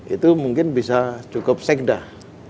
itu mungkin bisa cukup sekdah